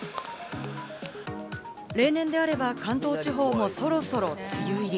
例年であれば関東地方もそろそろ梅雨入り。